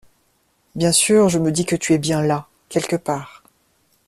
Bien sûr je me dis que tu es bien là, quelque part.